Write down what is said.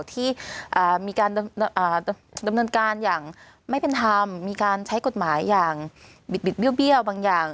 ที่มีการดำเนินการอย่างไม่เป็นธรรมมีการใช้กฎหมายอย่างบิดเบี้ยวบางอย่าง